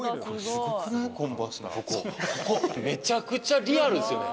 めちゃくちゃリアルですよね。